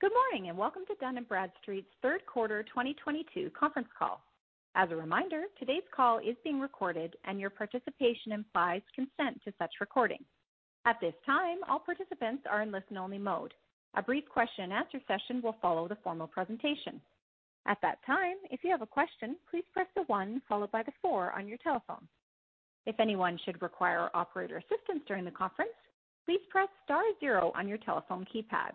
Good morning, and welcome to Dun & Bradstreet's Q3 2022 conference call. As a reminder, today's call is being recorded and your participation implies consent to such recording. At this time, all participants are in listen-only mode. A brief question and answer session will follow the formal presentation. At that time, if you have a question, please press the one followed by the four on your telephone. If anyone should require operator assistance during the conference, please press star zero on your telephone keypad.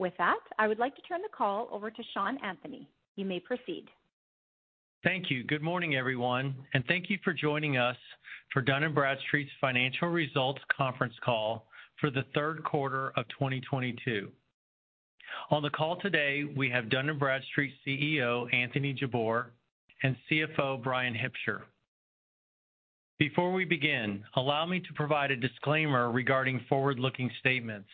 With that, I would like to turn the call over to Sean Anthony. You may proceed. Thank you. Good morning, everyone, and thank you for joining us for Dun & Bradstreet's Financial Results conference call for the Q3 of 2022. On the call today we have Dun & Bradstreet CEO Anthony Jabbour and CFO Bryan Hipsher. Before we begin, allow me to provide a disclaimer regarding forward-looking statements.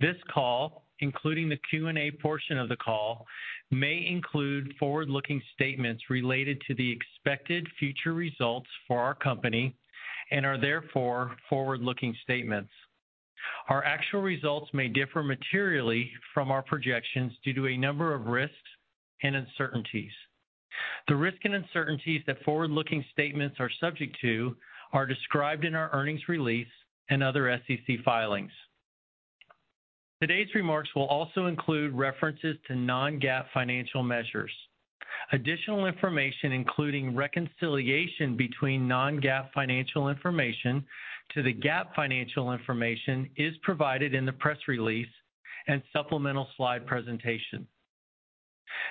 This call, including the Q&A portion of the call, may include forward-looking statements related to the expected future results for our company and are therefore forward-looking statements. Our actual results may differ materially from our projections due to a number of risks and uncertainties. The risks and uncertainties that forward-looking statements are subject to are described in our earnings release and other SEC filings. Today's remarks will also include references to non-GAAP financial measures. Additional information, including reconciliation between non-GAAP financial information to the GAAP financial information is provided in the press release and supplemental slide presentation.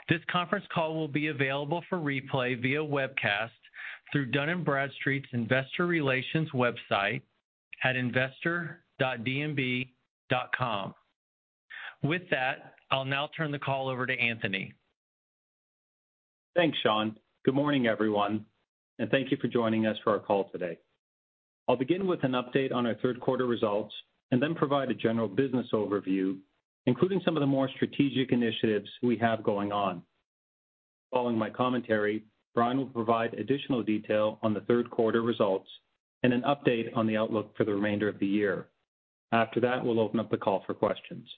This conference call will be available for replay via webcast through Dun & Bradstreet's investor relations website at investor.dnb.com. With that, I'll now turn the call over to Anthony. Thanks, Sean. Good morning, everyone, and thank you for joining us for our call today. I'll begin with an update on our Q3 results and then provide a general business overview, including some of the more strategic initiatives we have going on. Following my commentary, Bryan will provide additional detail on the Q3 results and an update on the outlook for the remainder of the year. After that, we'll open up the call for questions.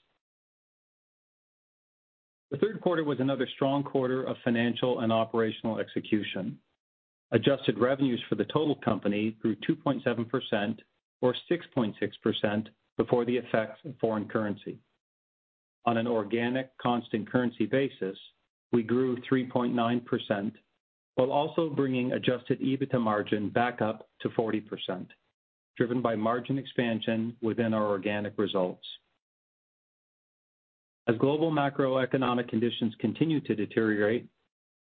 The Q3 was another strong quarter of financial and operational execution. Adjusted revenues for the total company grew 2.7% or 6.6% before the effects of foreign currency. On an organic constant currency basis, we grew 3.9% while also bringing adjusted EBITDA margin back up to 40%, driven by margin expansion within our organic results. As global macroeconomic conditions continue to deteriorate,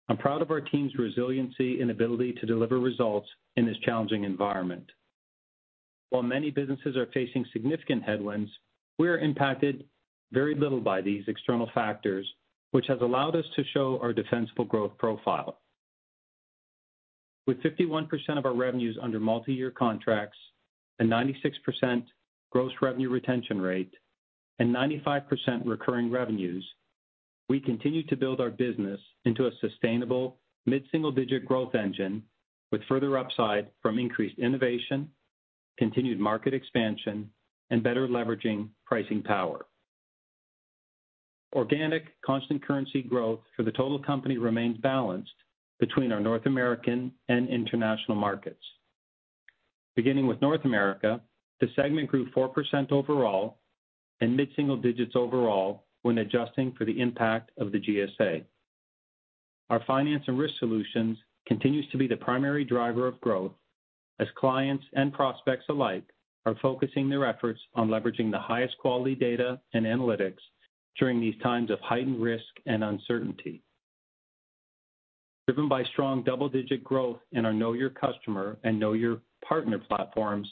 I'm proud of our team's resiliency and ability to deliver results in this challenging environment. While many businesses are facing significant headwinds, we are impacted very little by these external factors, which has allowed us to show our defensible growth profile. With 51% of our revenues under multi-year contracts and 96% gross revenue retention rate and 95% recurring revenues, we continue to build our business into a sustainable mid-single-digit growth engine with further upside from increased innovation, continued market expansion, and better leveraging pricing power. Organic constant currency growth for the total company remains balanced between our North American and international markets. Beginning with North America, the segment grew 4% overall and mid-single digits overall when adjusting for the impact of the GSA. Our finance and risk solutions continues to be the primary driver of growth as clients and prospects alike are focusing their efforts on leveraging the highest quality data and analytics during these times of heightened risk and uncertainty. Driven by strong double-digit growth in our Know Your Customer and Know Your Partner platforms,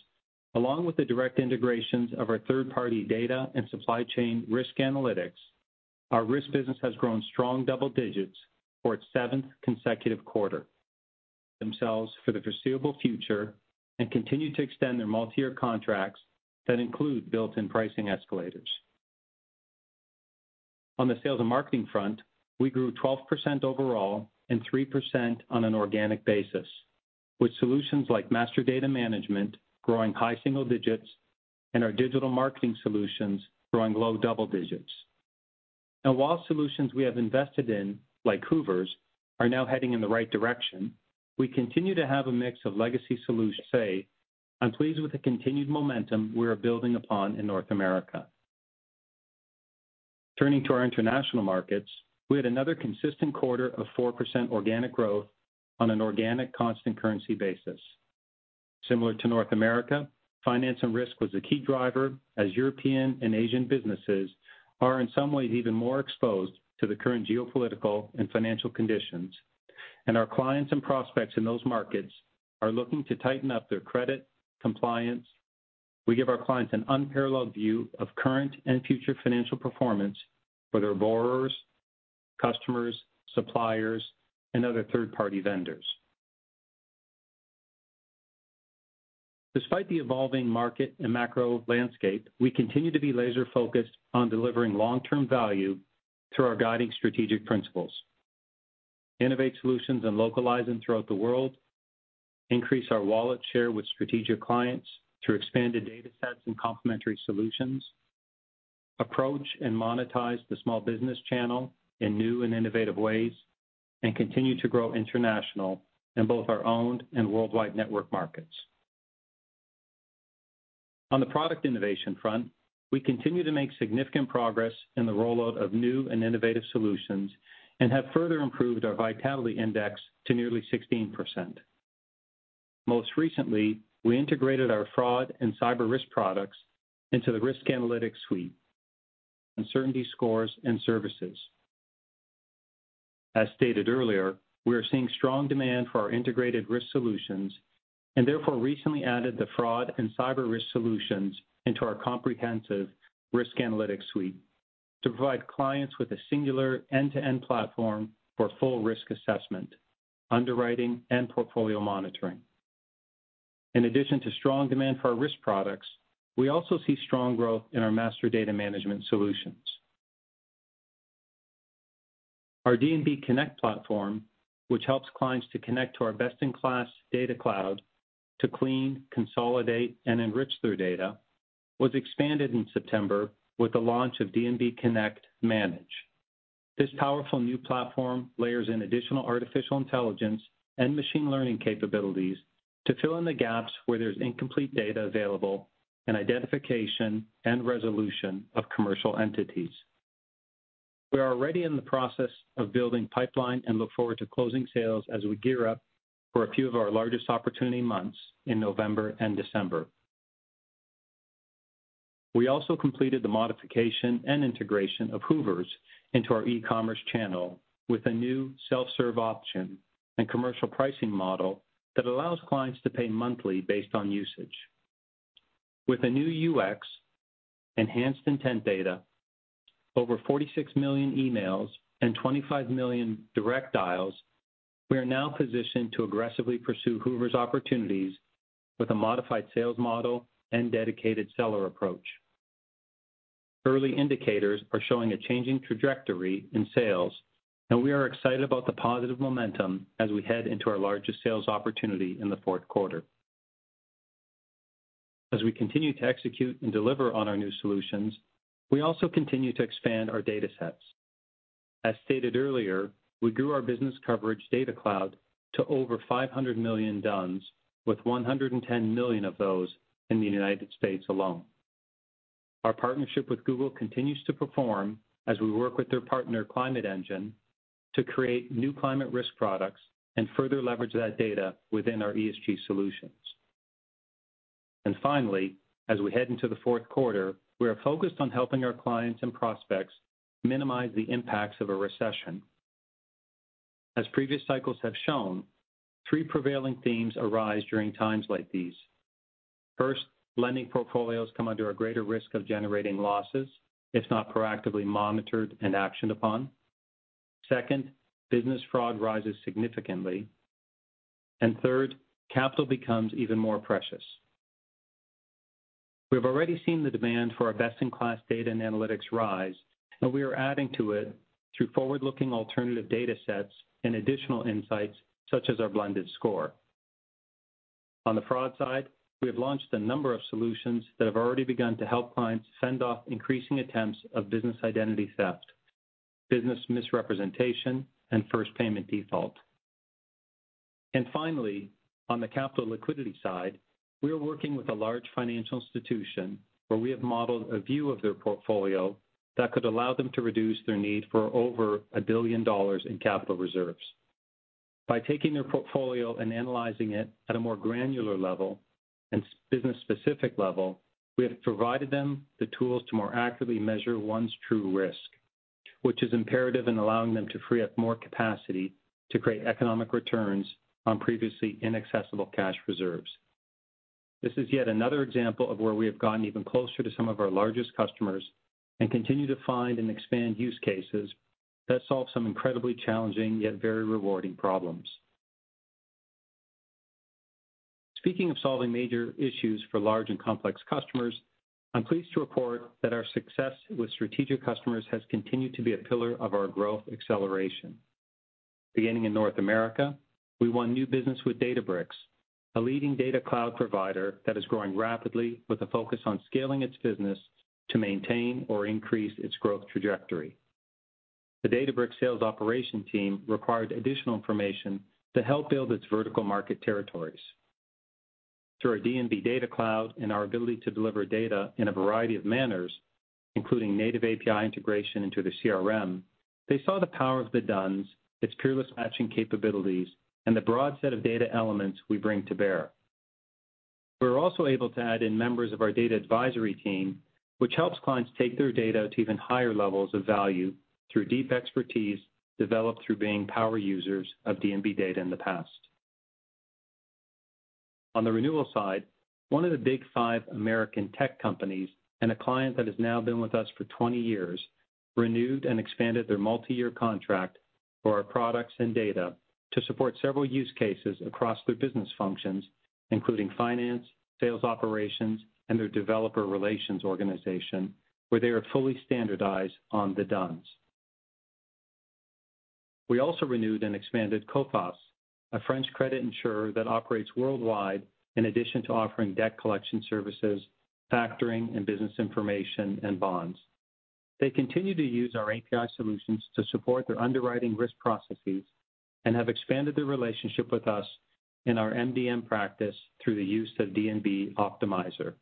along with the direct integrations of our third-party data and supply chain risk analytics, our risk business has grown strong double digits for its seventh consecutive quarter. Themselves for the foreseeable future and continue to extend their multi-year contracts that include built-in pricing escalators. On the sales and marketing front, we grew 12% overall and 3% on an organic basis, with solutions like master data management growing high single digits and our digital marketing solutions growing low double digits. Now, while solutions we have invested in, like Hoovers, are now heading in the right direction, we continue to have a mix of legacy solutions. Say, I'm pleased with the continued momentum we are building upon in North America. Turning to our international markets, we had another consistent quarter of 4% organic growth on an organic constant currency basis. Similar to North America, finance and risk was a key driver as European and Asian businesses are in some ways even more exposed to the current geopolitical and financial conditions. Our clients and prospects in those markets are looking to tighten up their credit, compliance. We give our clients an unparalleled view of current and future financial performance for their borrowers, customers, suppliers, and other third-party vendors. Despite the evolving market and macro landscape, we continue to be laser focused on delivering long-term value through our guiding strategic principles. Innovate solutions and localize them throughout the world. Increase our wallet share with strategic clients through expanded data sets and complementary solutions. Approach and monetize the small business channel in new and innovative ways, and continue to grow international in both our owned and worldwide network markets. On the product innovation front, we continue to make significant progress in the rollout of new and innovative solutions and have further improved our Vitality Index to nearly 16%. Most recently, we integrated our fraud and cyber risk products into the risk analytics suite, uncertainty scores and services. As stated earlier, we are seeing strong demand for our integrated risk solutions and therefore recently added the fraud and cyber risk solutions into our comprehensive risk analytics suite to provide clients with a singular end-to-end platform for full risk assessment, underwriting, and portfolio monitoring. In addition to strong demand for our risk products, we also see strong growth in our master data management solutions. Our D&B Connect platform, which helps clients to connect to our best-in-class data cloud to clean, consolidate, and enrich their data, was expanded in September with the launch of D&B Connect Manage. This powerful new platform layers in additional artificial intelligence and machine learning capabilities to fill in the gaps where there's incomplete data available and identification and resolution of commercial entities. We are already in the process of building pipeline and look forward to closing sales as we gear up for a few of our largest opportunity months in November and December. We also completed the modification and integration of Hoover's into our e-commerce channel with a new self-serve option and commercial pricing model that allows clients to pay monthly based on usage. With a new UX, enhanced intent data, over 46 million emails, and 25 million direct dials, we are now positioned to aggressively pursue Hoover's opportunities with a modified sales model and dedicated seller approach. Early indicators are showing a changing trajectory in sales, and we are excited about the positive momentum as we head into our largest sales opportunity in the Q4. As we continue to execute and deliver on our new solutions, we also continue to expand our data sets. As stated earlier, we grew our business coverage data cloud to over 500 million D-U-N-S, with 110 million of those in the United States alone. Our partnership with Google continues to perform as we work with their partner, Climate Engine, to create new climate risk products and further leverage that data within our ESG solutions. Finally, as we head into the Q4, we are focused on helping our clients and prospects minimize the impacts of a recession. As previous cycles have shown, three prevailing themes arise during times like these. First, lending portfolios come under a greater risk of generating losses if not proactively monitored and actioned upon. Second, business fraud rises significantly. Third, capital becomes even more precious. We have already seen the demand for our best-in-class data and analytics rise, and we are adding to it through forward-looking alternative data sets and additional insights such as our blended score. On the fraud side, we have launched a number of solutions that have already begun to help clients fend off increasing attempts of business identity theft, business misrepresentation, and first payment default. Finally, on the capital liquidity side, we are working with a large financial institution where we have modeled a view of their portfolio that could allow them to reduce their need for over $1 billion in capital reserves. By taking their portfolio and analyzing it at a more granular level and business-specific level, we have provided them the tools to more accurately measure one's true risk, which is imperative in allowing them to free up more capacity to create economic returns on previously inaccessible cash reserves. This is yet another example of where we have gotten even closer to some of our largest customers and continue to find and expand use cases that solve some incredibly challenging yet very rewarding problems. Speaking of solving major issues for large and complex customers, I'm pleased to report that our success with strategic customers has continued to be a pillar of our growth acceleration. Beginning in North America, we won new business with Databricks, a leading data cloud provider that is growing rapidly with a focus on scaling its business to maintain or increase its growth trajectory. The Databricks sales operation team required additional information to help build its vertical market territories. Through our D&B Data Cloud and our ability to deliver data in a variety of manners, including native API integration into their CRM, they saw the power of the D-U-N-S, its peerless matching capabilities, and the broad set of data elements we bring to bear. We were also able to add in members of our data advisory team, which helps clients take their data to even higher levels of value through deep expertise developed through being power users of D&B data in the past. On the renewal side, one of the big five American tech companies and a client that has now been with us for 20 years renewed and expanded their multi-year contract for our products and data. To support several use cases across their business functions, including finance, sales operations, and their developer relations organization, where they are fully standardized on the D-U-N-S. We also renewed and expanded Coface, a French credit insurer that operates worldwide in addition to offering debt collection services, factoring, and business information, and bonds. They continue to use our API solutions to support their underwriting risk processes and have expanded their relationship with us in our MDM practice through the use of D&B Optimizer.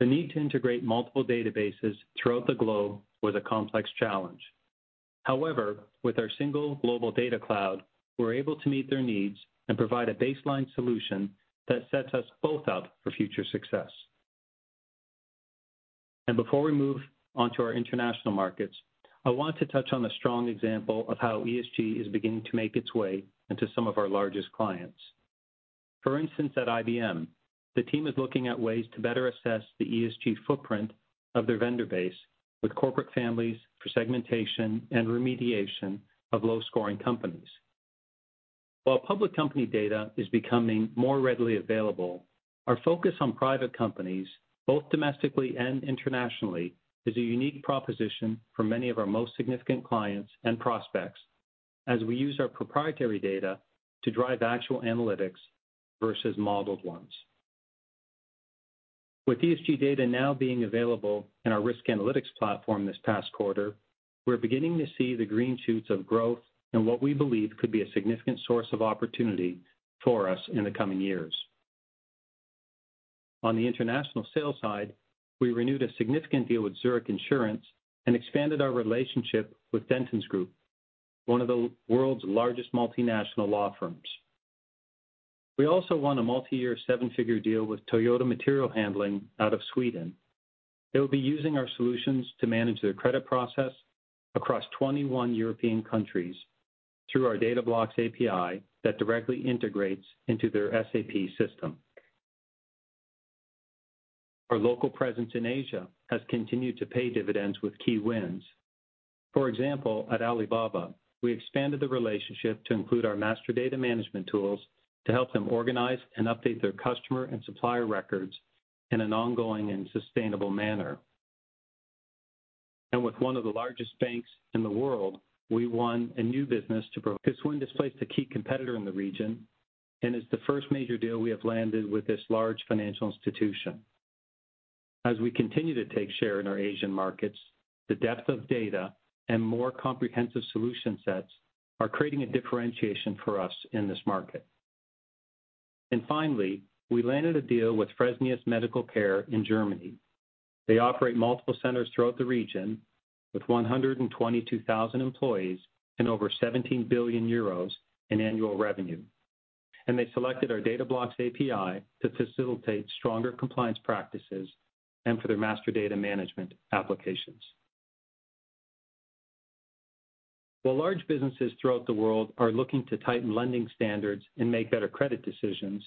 The need to integrate multiple databases throughout the globe was a complex challenge. However, with our single global data cloud, we're able to meet their needs and provide a baseline solution that sets us both up for future success. Before we move on to our international markets, I want to touch on a strong example of how ESG is beginning to make its way into some of our largest clients. For instance, at IBM, the team is looking at ways to better assess the ESG footprint of their vendor base with corporate families for segmentation and remediation of low-scoring companies. While public company data is becoming more readily available, our focus on private companies, both domestically and internationally, is a unique proposition for many of our most significant clients and prospects as we use our proprietary data to drive actual analytics versus modeled ones. With ESG data now being available in our risk analytics platform this past quarter, we're beginning to see the green shoots of growth in what we believe could be a significant source of opportunity for us in the coming years. On the international sales side, we renewed a significant deal with Zurich Insurance and expanded our relationship with Dentons, one of the world's largest multinational law firms. We also won a multiyear seven-figure deal with Toyota Material Handling out of Sweden. They will be using our solutions to manage their credit process across 21 European countries through our Data Blocks API that directly integrates into their SAP system. Our local presence in Asia has continued to pay dividends with key wins. For example, at Alibaba, we expanded the relationship to include our master data management tools to help them organize and update their customer and supplier records in an ongoing and sustainable manner. With one of the largest banks in the world, we won a new business. This win displaced a key competitor in the region and is the first major deal we have landed with this large financial institution. As we continue to take share in our Asian markets, the depth of data and more comprehensive solution sets are creating a differentiation for us in this market. Finally, we landed a deal with Fresenius Medical Care in Germany. They operate multiple centers throughout the region with 122,000 employees and over 17 billion euros in annual revenue. They selected our Data Blocks API to facilitate stronger compliance practices and for their master data management applications. While large businesses throughout the world are looking to tighten lending standards and make better credit decisions,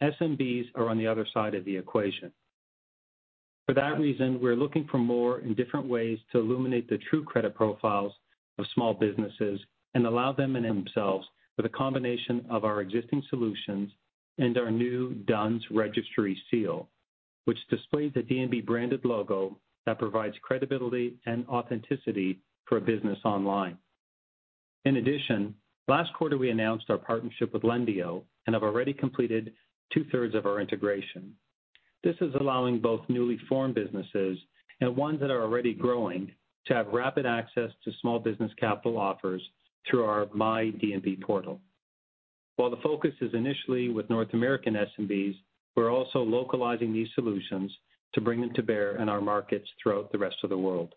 SMBs are on the other side of the equation. For that reason, we're looking for more and different ways to illuminate the true credit profiles of small businesses and allow them in themselves with a combination of our existing solutions and our new D-U-N-S Registered Seal, which displays a D&B-branded logo that provides credibility and authenticity for a business online. In addition, last quarter, we announced our partnership with Lendio and have already completed two-thirds of our integration. This is allowing both newly formed businesses and ones that are already growing to have rapid access to small business capital offers through our my D&B portal. While the focus is initially with North American SMBs, we're also localizing these solutions to bring them to bear in our markets throughout the rest of the world.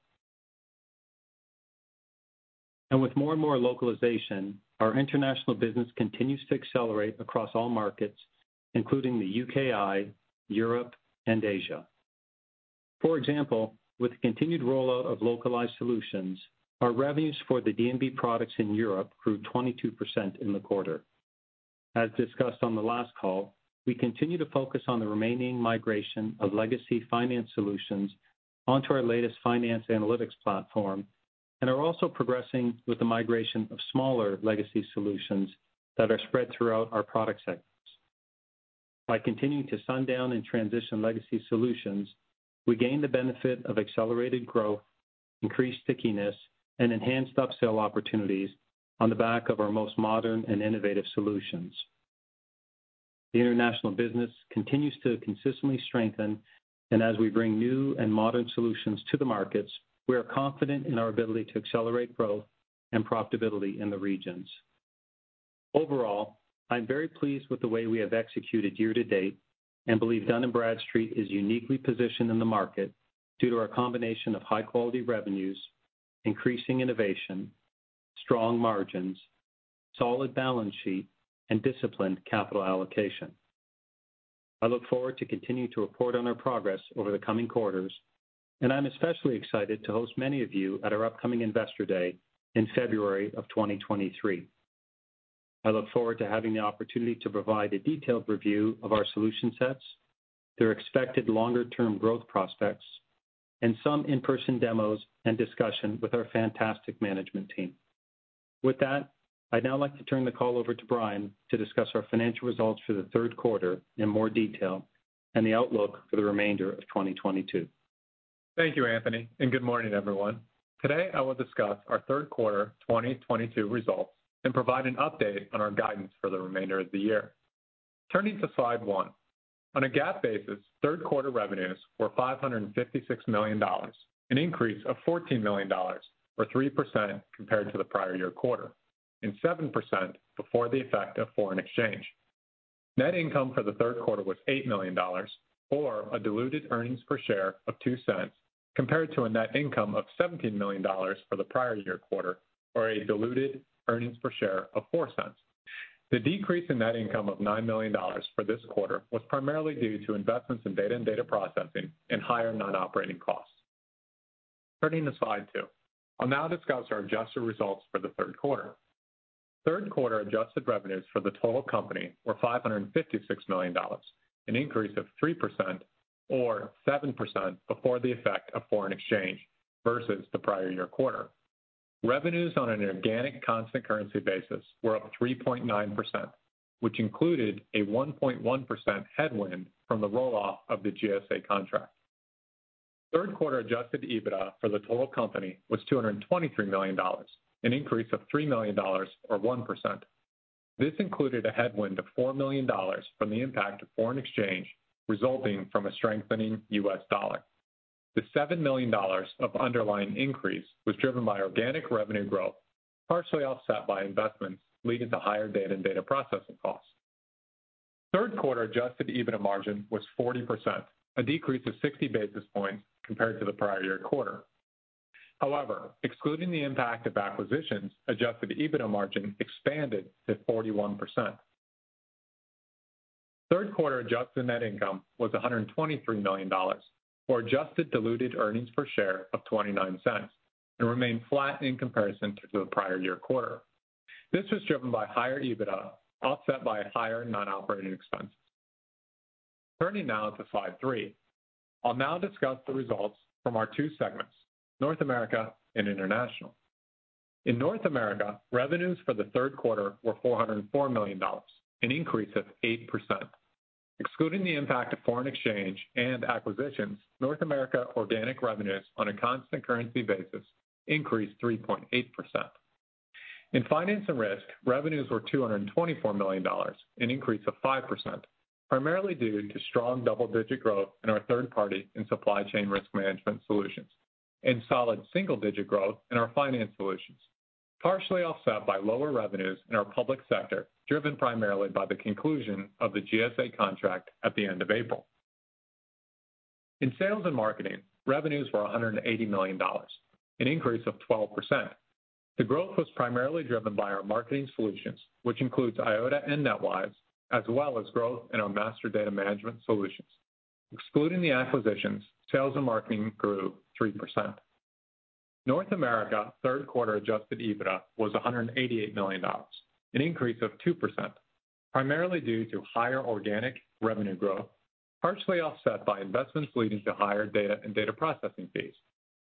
With more and more localization, our international business continues to accelerate across all markets, including the UKI, Europe, and Asia. For example, with the continued rollout of localized solutions, our revenues for the D&B products in Europe grew 22% in the quarter. As discussed on the last call, we continue to focus on the remaining migration of legacy finance solutions onto our latest finance analytics platform and are also progressing with the migration of smaller legacy solutions that are spread throughout our product sectors. By continuing to sundown and transition legacy solutions, we gain the benefit of accelerated growth, increased stickiness, and enhanced upsell opportunities on the back of our most modern and innovative solutions. The international business continues to consistently strengthen, and as we bring new and modern solutions to the markets, we are confident in our ability to accelerate growth and profitability in the regions. Overall, I'm very pleased with the way we have executed year-to-date and believe Dun & Bradstreet is uniquely positioned in the market due to our combination of high-quality revenues, increasing innovation, strong margins, solid balance sheet, and disciplined capital allocation. I look forward to continuing to report on our progress over the coming quarters, and I'm especially excited to host many of you at our upcoming Investor Day in February of 2023. I look forward to having the opportunity to provide a detailed review of our solution sets, their expected longer-term growth prospects. Some in-person demos and discussion with our fantastic management team. With that, I'd now like to turn the call over to Bryan Hipsher to discuss our financial results for the Q3 in more detail and the outlook for the remainder of 2022. Thank you, Anthony, and good morning, everyone. Today, I will discuss our Q3 2022 results and provide an update on our guidance for the remainder of the year. Turning to slide 1. On a GAAP basis, Q3 revenues were $556 million, an increase of $14 million or 3% compared to the prior year quarter, and 7% before the effect of foreign exchange. Net income for the Q3 was $8 million or a diluted earnings per share of $0.02 compared to a net income of $17 million for the prior year quarter or a diluted earnings per share of $0.04. The decrease in net income of $9 million for this quarter was primarily due to investments in data and data processing and higher non-operating costs. Turning to slide two. I'll now discuss our adjusted results for the Q3. Q3 adjusted revenues for the total company were $556 million, an increase of 3% or 7% before the effect of foreign exchange versus the prior year quarter. Revenues on an organic constant currency basis were up 3.9%, which included a 1.1% headwind from the roll-off of the GSA contract. Q3 adjusted EBITDA for the total company was $223 million, an increase of $3 million or 1%. This included a headwind of $4 million from the impact of foreign exchange resulting from a strengthening US dollar. The $7 million of underlying increase was driven by organic revenue growth, partially offset by investments leading to higher data and data processing costs. Q3 adjusted EBITDA margin was 40%, a decrease of 60 basis points compared to the prior year quarter. However, excluding the impact of acquisitions, adjusted EBITDA margin expanded to 41%. Q3 adjusted net income was $123 million or adjusted diluted earnings per share of 29 cents and remained flat in comparison to the prior year quarter. This was driven by higher EBITDA, offset by higher non-operating expenses. Turning now to slide 3. I'll now discuss the results from our two segments, North America and International. In North America, revenues for the Q3 were $404 million, an increase of 8%. Excluding the impact of foreign exchange and acquisitions, North America organic revenues on a constant currency basis increased 3.8%. In finance and risk, revenues were $224 million, an increase of 5%, primarily due to strong double-digit growth in our third party and supply chain risk management solutions and solid single-digit growth in our finance solutions, partially offset by lower revenues in our public sector, driven primarily by the conclusion of the GSA contract at the end of April. In sales and marketing, revenues were $180 million, an increase of 12%. The growth was primarily driven by our marketing solutions, which includes Eyeota and NetWise, as well as growth in our master data management solutions. Excluding the acquisitions, sales and marketing grew 3%. North America Q3 adjusted EBITDA was $188 million, an increase of 2%, primarily due to higher organic revenue growth, partially offset by investments leading to higher data and data processing fees.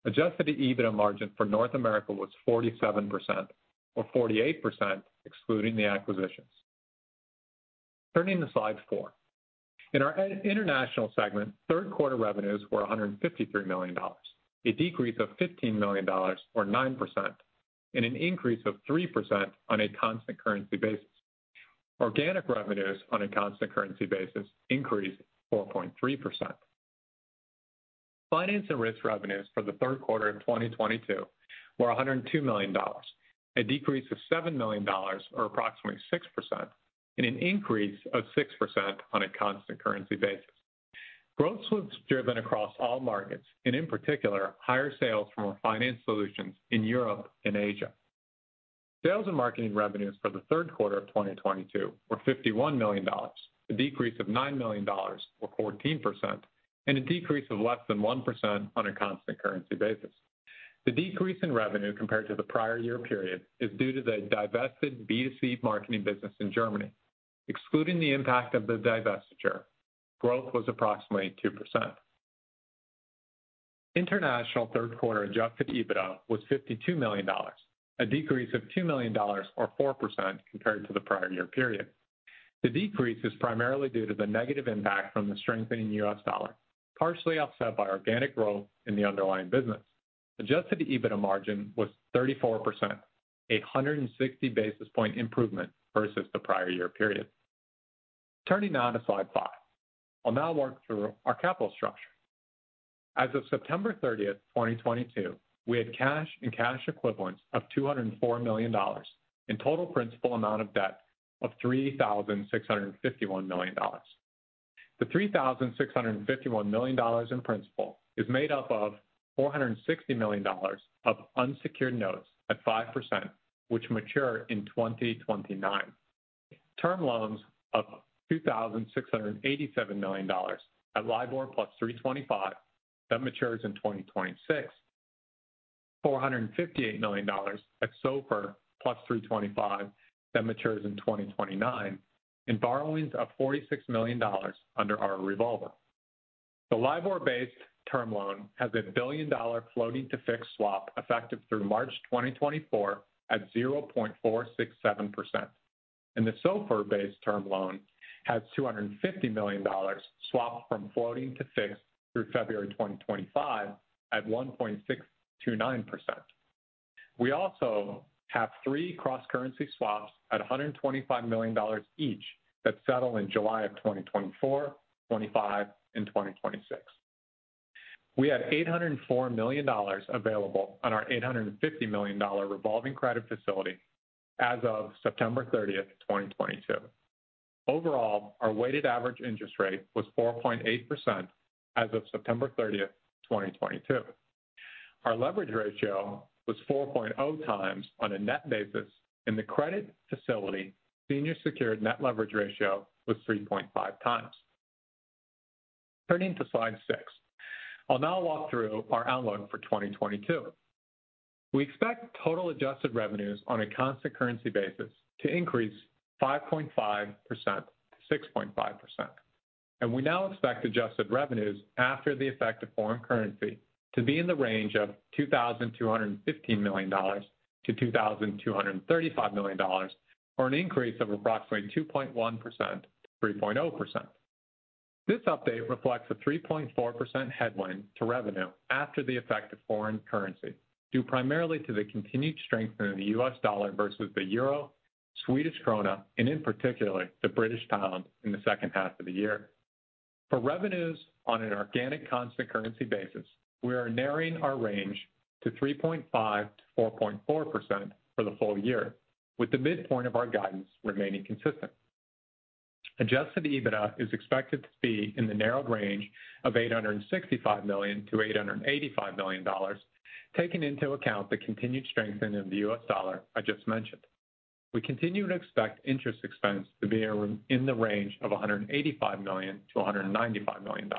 Adjusted EBITDA margin for North America was 47% or 48% excluding the acquisitions. Turning to slide four. In our international segment, Q3 revenues were $153 million, a decrease of $15 million or 9%, and an increase of 3% on a constant currency basis. Organic revenues on a constant currency basis increased 4.3%. Finance and risk revenues for the Q3 of 2022 were $102 million, a decrease of $7 million or approximately 6%, and an increase of 6% on a constant currency basis. Growth was driven across all markets and in particular, higher sales from our finance solutions in Europe and Asia. Sales and marketing revenues for the Q3 of 2022 were $51 million, a decrease of $9 million or 14%, and a decrease of less than 1% on a constant currency basis. The decrease in revenue compared to the prior year period is due to the divested B2C marketing business in Germany. Excluding the impact of the divestiture, growth was approximately 2%. International Q3 adjusted EBITDA was $52 million, a decrease of $2 million or 4% compared to the prior year period. The decrease is primarily due to the negative impact from the strengthening US dollar, partially offset by organic growth in the underlying business. Adjusted EBITDA margin was 34%, 160 basis point improvement versus the prior year period. Turning now to slide 5. I'll now walk through our capital structure. As of September 30, 2022, we had cash and cash equivalents of $204 million and total principal amount of debt of $3,651 million. The $3,651 million in principal is made up of $460 million of unsecured notes at 5%, which mature in 2029. Term loans of $2,687 million at LIBOR plus 3.25 that matures in 2026. $458 million at SOFR plus 3.25 that matures in 2029, and borrowings of $46 million under our revolver. The LIBOR-based term loan has a $1 billion-dollar floating to fixed swap effective through March 2024 at 0.467%, and the SOFR-based term loan has $250 million swapped from floating to fixed through February 2025 at 1.629%. We also have three cross-currency swaps at $125 million each that settle in July 2024, 2025, and 2026. We had $804 million available on our $850 million-dollar revolving credit facility as of September 30, 2022. Overall, our weighted average interest rate was 4.8% as of September 30, 2022. Our leverage ratio was 4.0x on a net basis, and the credit facility senior secured net leverage ratio was 3.5x. Turning to slide six. I'll now walk through our outlook for 2022. We expect total adjusted revenues on a constant currency basis to increase 5.5%-6.5%, and we now expect adjusted revenues after the effect of foreign currency to be in the range of $2,215 million-2,235 million, or an increase of approximately 2.1%-3.0%. This update reflects a 3.4% headwind to revenue after the effect of foreign currency, due primarily to the continued strengthening of the US dollar versus the euro, Swedish krona, and in particular, the British pound in the H2 of the year. For revenues on an organic constant currency basis, we are narrowing our range to 3.5%-4.4% for the full year, with the midpoint of our guidance remaining consistent. Adjusted EBITDA is expected to be in the narrowed range of $865 million-$885 million, taking into account the continued strengthening of the U.S. dollar I just mentioned. We continue to expect interest expense to be in the range of $185 million-195 million.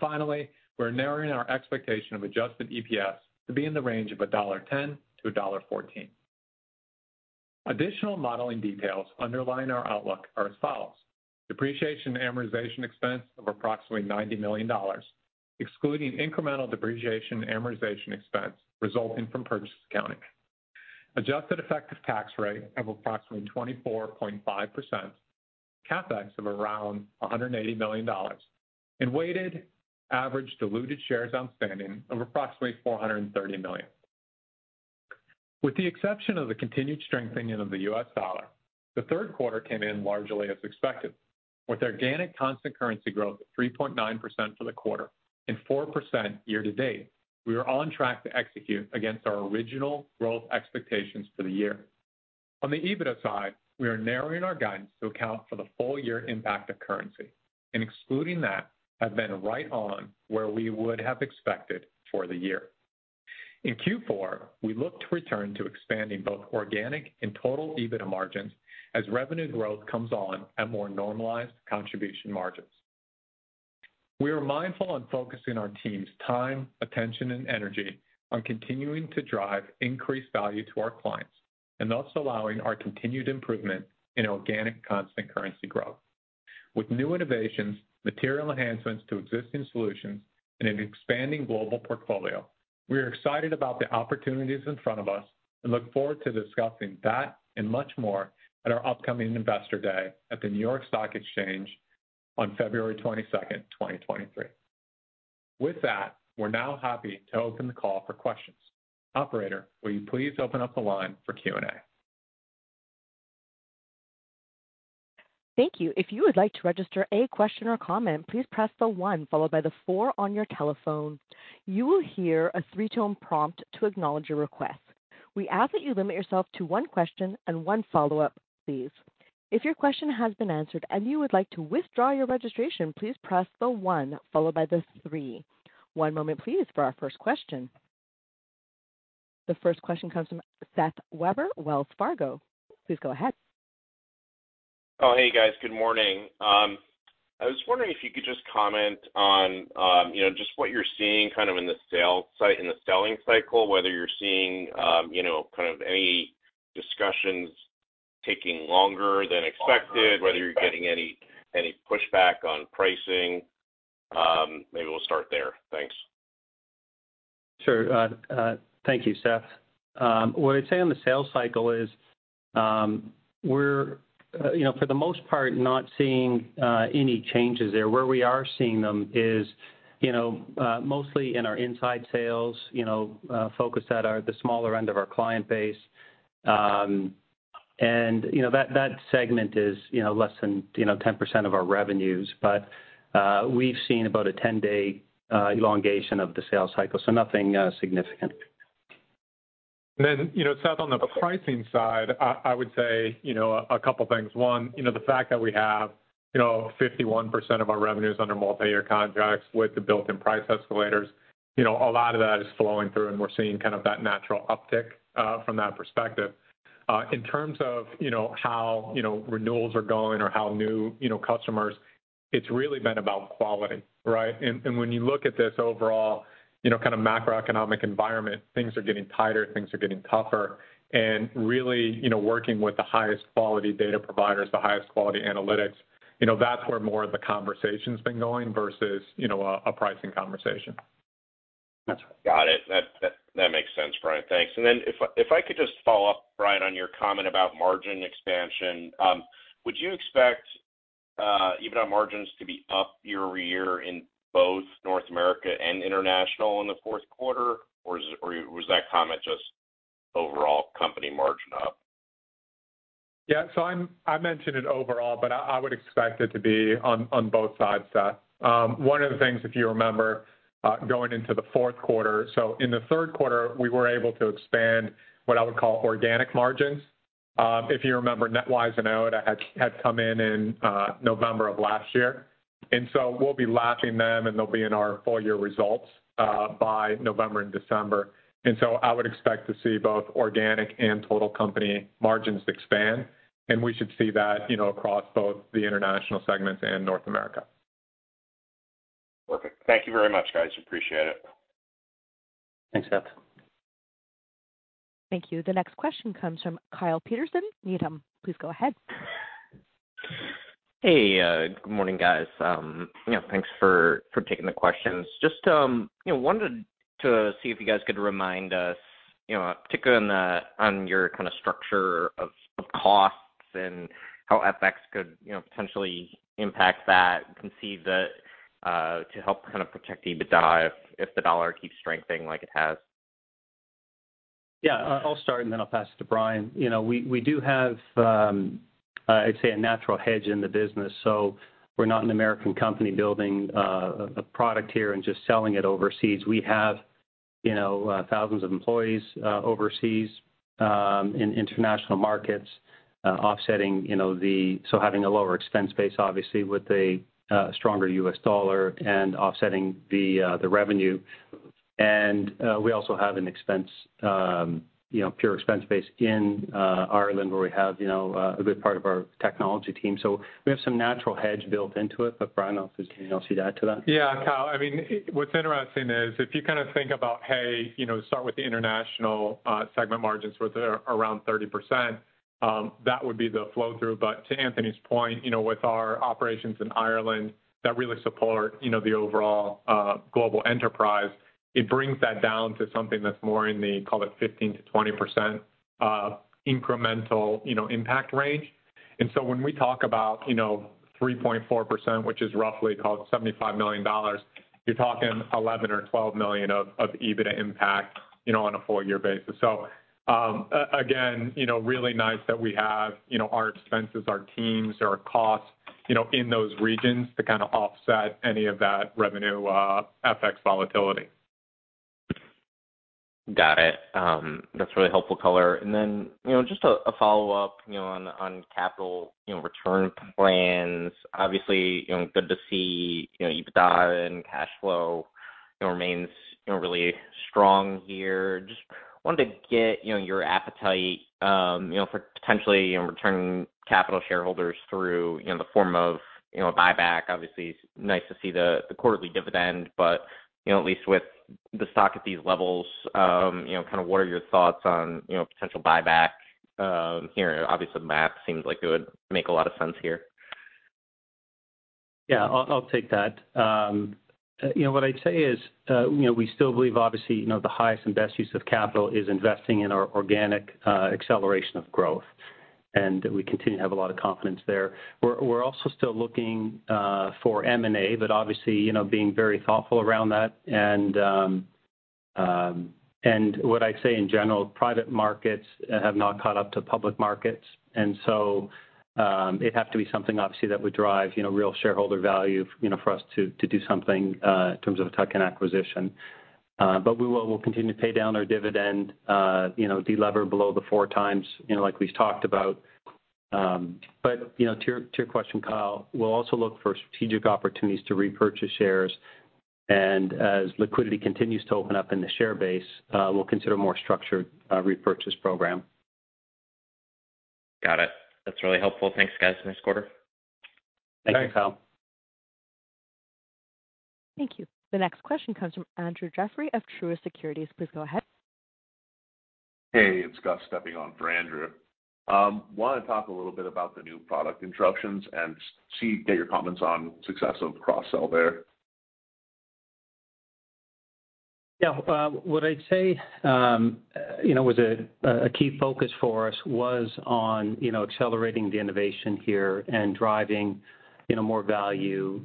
Finally, we're narrowing our expectation of adjusted EPS to be in the range of $1.10-1.14. Additional modeling details underlying our outlook are as follows. Depreciation and amortization expense of approximately $90 million, excluding incremental depreciation and amortization expense resulting from purchase accounting. Adjusted effective tax rate of approximately 24.5%, CapEx of around $180 million, and weighted average diluted shares outstanding of approximately 430 million. With the exception of the continued strengthening of the US dollar, the Q3 came in largely as expected. With organic constant currency growth at 3.9% for the quarter and 4% year to date, we are on track to execute against our original growth expectations for the year. On the EBITDA side, we are narrowing our guidance to account for the full year impact of currency, and excluding that, have been right on where we would have expected for the year. In Q4, we look to return to expanding both organic and total EBITDA margins as revenue growth comes on at more normalized contribution margins. We are mindful on focusing our team's time, attention, and energy on continuing to drive increased value to our clients and thus allowing our continued improvement in organic constant currency growth. With new innovations, material enhancements to existing solutions, and an expanding global portfolio, we are excited about the opportunities in front of us and look forward to discussing that and much more at our upcoming Investor Day at the New York Stock Exchange on February 22nd, 2023. With that, we're now happy to open the call for questions. Operator, will you please open up the line for Q&A? Thank you. If you would like to register a question or comment, please press the one followed by the four on your telephone. You will hear a three-tone prompt to acknowledge your request. We ask that you limit yourself to one question and one follow-up, please. If your question has been answered and you would like to withdraw your registration, please press the one followed by the three. One moment, please, for our first question. The first question comes from Seth Weber, Wells Fargo. Please go ahead. Oh, hey, guys. Good morning. I was wondering if you could just comment on, you know, just what you're seeing kind of in the sales cycle, whether you're seeing, you know, kind of any discussions taking longer than expected, whether you're getting any pushback on pricing. Maybe we'll start there. Thanks. Sure. Thank you, Seth. What I'd say on the sales cycle is, we're, you know, for the most part not seeing any changes there. Where we are seeing them is, you know, mostly in our inside sales, you know, focused at the smaller end of our client base. You know, that segment is, you know, less than 10% of our revenues, but we've seen about a 10-day elongation of the sales cycle, so nothing significant. You know, Seth, on the pricing side, I would say a couple things. One, you know, the fact that we have, you know, 51% of our revenues under multiyear contracts with the built-in price escalators, you know, a lot of that is flowing through, and we're seeing kind of that natural uptick from that perspective. In terms of, you know, how, you know, renewals are going or how new, you know, customers, it's really been about quality, right? When you look at this overall, you know, kind of macroeconomic environment, things are getting tighter, things are getting tougher, and really, you know, working with the highest quality data providers, the highest quality analytics, you know, that's where more of the conversation's been going versus, you know, a pricing conversation. Got it. That makes sense, Bryan. Thanks. If I could just follow up, Bryan, on your comment about margin expansion. Would you expect EBITDA margins to be up quarter-over-quarter in both North America and international in the Q4? Or was that comment just overall company margin up? I mentioned it overall, but I would expect it to be on both sides, Seth. One of the things, if you remember, going into the Q4, in the Q3, we were able to expand what I would call organic margins. If you remember, NetWise and Oda had come in in November of last year. We'll be lapping them, and they'll be in our full year results by November and December. I would expect to see both organic and total company margins expand, and we should see that, you know, across both the international segments and North America. Perfect. Thank you very much, guys. Appreciate it. Thanks, Seth. Thank you. The next question comes from Kyle Peterson. Please go ahead. Hey, good morning, guys. You know, thanks for taking the questions. Just, you know, wanted to see if you guys could remind us, you know, particularly on your kind of structure of costs and how FX could, you know, potentially impact that. I can see that to help kind of protect EBITDA if the dollar keeps strengthening like it has. Yeah. I'll start, and then I'll pass it to Bryan. We do have, I'd say a natural hedge in the business. We're not an American company building a product here and just selling it overseas. We have thousands of employees overseas in international markets, offsetting having a lower expense base, obviously with a stronger U.S. dollar and offsetting the revenue. We also have a pure expense base in Ireland where we have a good part of our technology team. We have some natural hedge built into it. Bryan, I'll see if there's anything else you'd add to that. Yeah. Kyle, I mean, what's interesting is if you kind of think about, hey, you know, start with the international segment margins with around 30%, that would be the flow through. To Anthony's point, you know, with our operations in Ireland that really support, you know, the overall global enterprise, it brings that down to something that's more in the call it 15%-20% incremental, you know, impact range. When we talk about, you know, 3.4%, which is roughly called $75 million, you're talking $11 million or $12 million of EBITDA impact, you know, on a full year basis. Again, you know, really nice that we have, you know, our expenses, our teams, our costs, you know, in those regions to kind of offset any of that revenue FX volatility. Got it. That's really helpful color. You know, just a follow-up, you know, on capital, you know, return plans. Obviously, you know, good to see, you know, EBITDA and cash flow, you know, remains, you know, really strong here. Just wanted to get, you know, your appetite, you know, for potentially, you know, returning capital shareholders through, you know, the form of, you know, buyback. Obviously it's nice to see the quarterly dividend, but, you know, at least with the stock at these levels, you know, kind of what are your thoughts on, you know, potential buyback here? Obviously math seems like it would make a lot of sense here. Yeah. I'll take that. You know, what I'd say is, you know, we still believe obviously, you know, the highest and best use of capital is investing in our organic acceleration of growth, and we continue to have a lot of confidence there. We're also still looking for M&A, but obviously, you know, being very thoughtful around that. What I'd say in general, private markets have not caught up to public markets, and so it'd have to be something obviously that would drive, you know, real shareholder value, you know, for us to do something in terms of a tuck-in acquisition. We'll continue to pay down our debt, you know, de-lever below 4x, you know, like we've talked about. You know, to your question, Kyle, we'll also look for strategic opportunities to repurchase shares. As liquidity continues to open up in the share base, we'll consider more structured repurchase program. Got it. That's really helpful. Thanks, guys, for this quarter. Thanks, Kyle. Thanks. Thank you. The next question comes from Andrew Jeffery of Truist Securities. Please go ahead. Hey, it's Scott Schneeberger on for Andrew. Wanted to talk a little bit about the new product introductions and get your comments on success of cross-sell there. What I'd say, you know, was a key focus for us was on, you know, accelerating the innovation here and driving, you know, more value,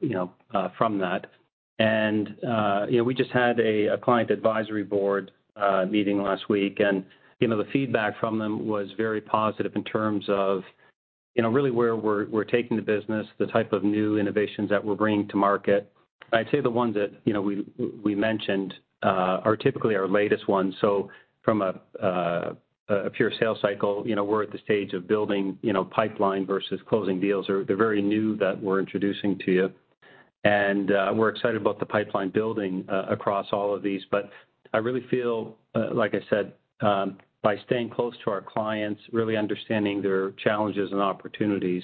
you know, from that. We just had a client advisory board meeting last week, and, you know, the feedback from them was very positive in terms of, you know, really where we're taking the business, the type of new innovations that we're bringing to market. I'd say the ones that, you know, we mentioned are typically our latest ones. From a pure sales cycle, you know, we're at the stage of building, you know, pipeline versus closing deals. They're very new that we're introducing to you. We're excited about the pipeline building across all of these. I really feel, like I said, by staying close to our clients, really understanding their challenges and opportunities,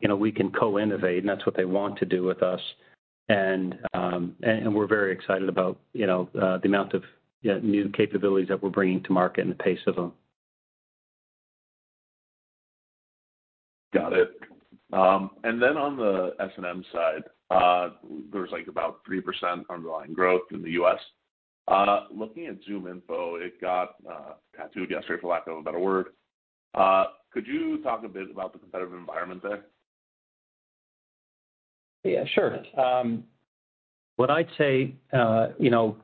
you know, we can co-innovate, and that's what they want to do with us. We're very excited about, you know, the amount of new capabilities that we're bringing to market and the pace of them. Got it. On the S&M side, there's like about 3% underlying growth in the U.S. Looking at ZoomInfo, it got tattooed yesterday, for lack of a better word. Could you talk a bit about the competitive environment there? Yeah, sure. What I'd say, you know,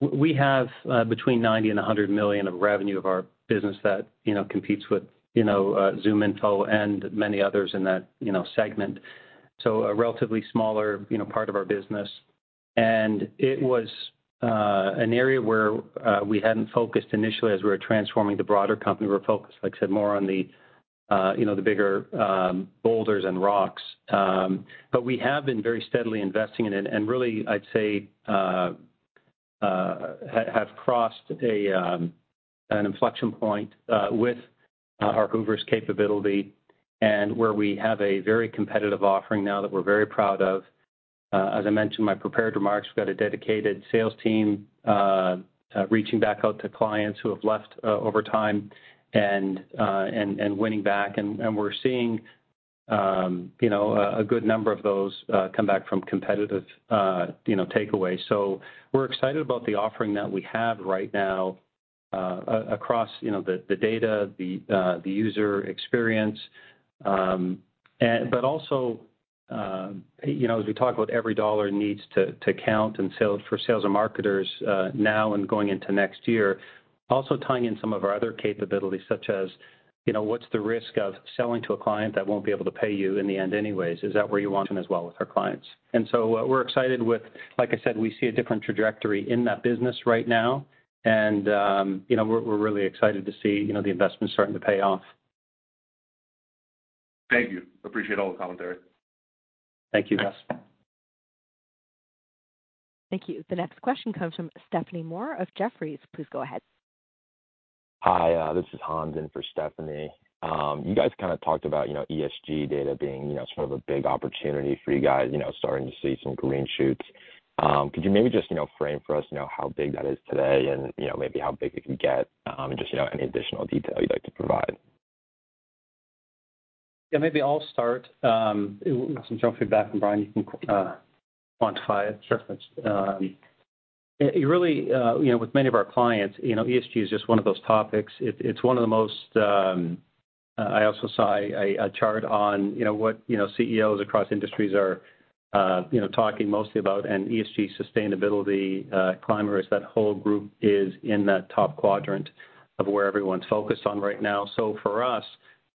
we have between $90 million and $100 million of revenue of our business that, you know, competes with, you know, ZoomInfo and many others in that, you know, segment. A relatively smaller, you know, part of our business. It was an area where we hadn't focused initially as we were transforming the broader company. We were focused, like I said, more on the, you know, the bigger boulders and rocks. We have been very steadily investing in it and really, I'd say, have crossed an inflection point with our Hoovers capability and where we have a very competitive offering now that we're very proud of. As I mentioned in my prepared remarks, we've got a dedicated sales team reaching back out to clients who have left over time and winning back. We're seeing you know a good number of those come back from competitive you know takeaway. We're excited about the offering that we have right now across you know the data, the user experience. You know as we talk about every dollar needs to count and sales for sales and marketers now and going into next year, also tying in some of our other capabilities such as you know what's the risk of selling to a client that won't be able to pay you in the end anyways? Is that where you want them as well with our clients? Like I said, we see a different trajectory in that business right now. You know, we're really excited to see, you know, the investment starting to pay off. Thank you. Appreciate all the commentary. Thank you, Han. Thank you. The next question comes from Stephanie Moore of Jefferies. Please go ahead. Hi, this is Han Wen for Stephanie. You guys kinda talked about, you know, ESG data being, you know, sort of a big opportunity for you guys, you know, starting to see some green shoots. Could you maybe just, you know, frame for us, you know, how big that is today and, you know, maybe how big it could get, and just, you know, any additional detail you'd like to provide? Yeah, maybe I'll start. Some jump feedback from Bryan Hipsher, you can quantify it. Sure. It really, you know, with many of our clients, you know, ESG is just one of those topics. It's one of the most. I also saw a chart on, you know, what, you know, CEOs across industries are, you know, talking mostly about ESG sustainability, climate risk. That whole group is in that top quadrant of where everyone's focused on right now. For us,